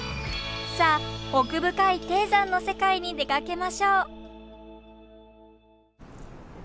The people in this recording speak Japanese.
さあ奥深い低山の世界に出かけましょう。